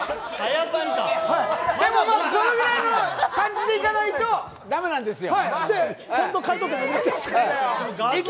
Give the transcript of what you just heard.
でも、そのぐらいの感じでいかないと駄目なんですよ。